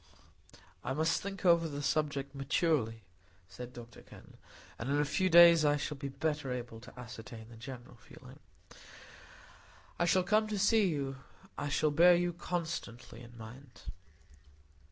"I must think over the subject maturely," said Dr Kenn, "and in a few days I shall be better able to ascertain the general feeling. I shall come to see you; I shall bear you constantly in mind."